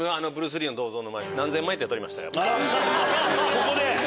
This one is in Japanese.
ここで！